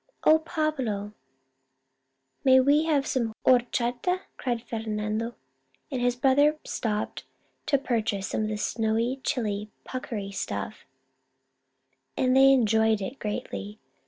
" Oh, Pablo, may we have some horchata? " cried Fernando, and his brother stopped to purchase some of the snowy, chilly, puckery stuff, and they enjoyed it greatly.